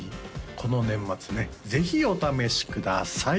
この年末ねぜひお試しください